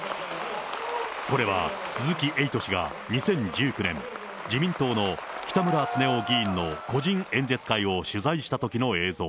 これは鈴木エイト氏が、２０１９年、自民党の北村経夫議員の個人演説会を取材したときの映像。